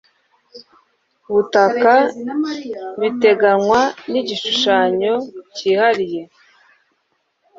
butaka biteganywa n igishushanyo cyihariye